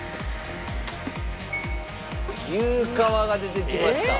牛革が出てきました。